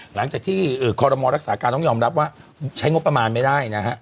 หลังจากที่คอรมอรักษาการต้องยอมรับว่าใช้งบประมาณไม่ได้นะฮะ